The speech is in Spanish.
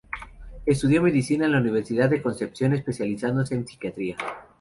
Estudió medicina en la Universidad de Concepción, especializándose en psiquiatría.